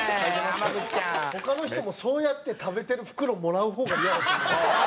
他の人もそうやって食べてる袋もらう方が嫌だと思う。